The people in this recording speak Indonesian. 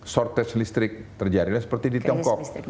shortage listrik terjadilah seperti di tiongkok